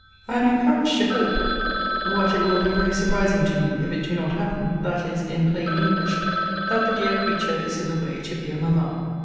] I am encouraged to hope, what it will be very surprising to me if it do not happen: that is, in plain English, that the dear creature is in the way to be a mamma.